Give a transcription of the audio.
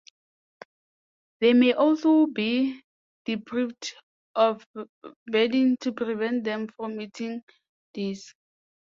They may also be deprived of bedding to prevent them from eating this.